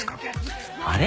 あれ？